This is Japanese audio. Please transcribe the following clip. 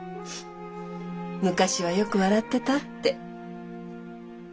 昔はよく笑ってたって。